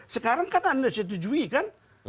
sekarang kan anda setujui kan